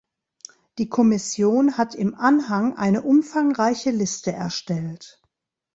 Die Kommission hat im Anhang eine umfangreiche Liste erstellt.